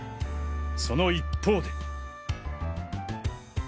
その一方で。